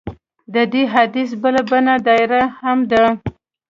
د دې حدیث بله بڼه ډایري هم ده.